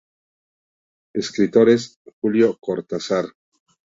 Escritores: Julio Cortázar.